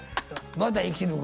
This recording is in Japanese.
まだ生き抜く。